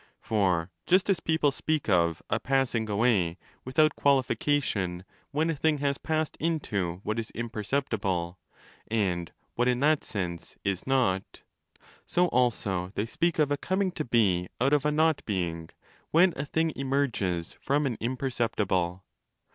* For just as people speak of 'a passing away' without qualification when a thing has passed into what is imperceptible and what in that sense 'is not', so 25 also they speak of 'a coming to be out of a not being' when a thing emerges from an imperceptible.